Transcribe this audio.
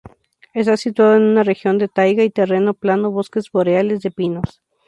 Está situado en una región de taiga y terreno plano bosques boreales de pinos.